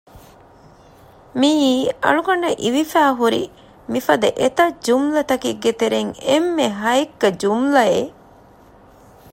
މިއީ އަޅުގަނޑަށް އިވިފައި ހުރި މި ފަދަ އެތައް ޖުމުލަތަކެއްގެ ތެރެއިން އެންމެ ހައެއްކަ ޖުމުލައެއް